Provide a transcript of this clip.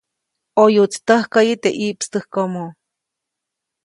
ʼOyuʼtsi täjkäyi teʼ ʼiʼpstäjkomo.